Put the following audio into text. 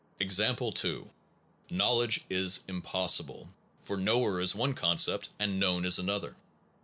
Example 2. Knowledge is impossible; for knower is one concept, and known is another.